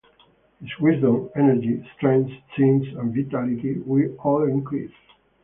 His wisdom, energy, strength, sight, and vitality will all increase.